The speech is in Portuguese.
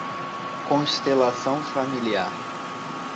Constelação familiar